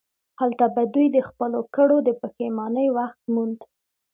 هلته به دوی د خپلو کړو د پښیمانۍ وخت موند.